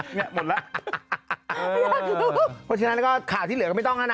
เพราะฉะนั้นแล้วก็ข่าวที่เหลือก็ไม่ต้องแล้วนะ